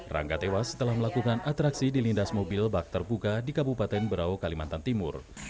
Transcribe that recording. rangga tewas setelah melakukan atraksi dilindas mobil bak terbuka di kabupaten berau kalimantan timur